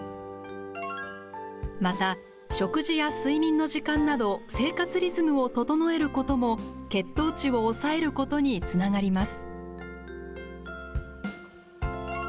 また、食事や睡眠の時間など生活リズムを整えることも血糖値を抑えることにつながります。